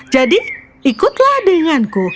jadi ikutlah denganku